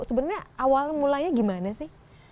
sebenarnya awal mulanya gimana sih